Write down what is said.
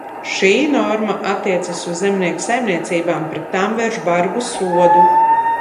Šī norma attiecas uz zemnieku saimniecībām, pret tām vērš bargu sodu.